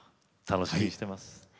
楽しみにしてます。